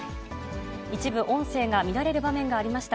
一部、音声が乱れる場面がありました。